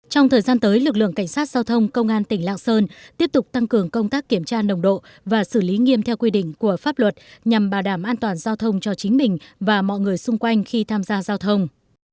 trong thời gian tới lực lượng cảnh sát giao thông công an tỉnh lạng sơn tiếp tục tăng cường công tác kiểm tra nồng độ và xử lý nghiêm theo quy định của pháp luật nhằm bảo đảm an toàn giao thông cho chính mình và mọi người xung quanh khi tham gia giao thông